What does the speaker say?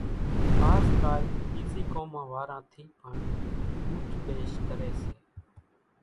آز ڪال ٻيزِي قومان واران ٿِي پڻ اُوٺِ ٻيش ڪريَ سي۔